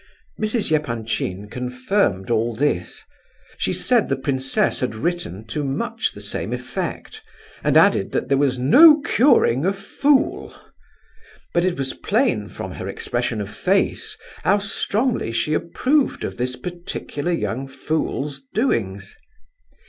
Mrs. Epanchin confirmed all this. She said the princess had written to much the same effect, and added that there was no curing a fool. But it was plain, from her expression of face, how strongly she approved of this particular young fool's doings.